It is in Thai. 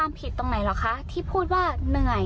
ตะกี้ซ์ยังคึ้นเถียดเลย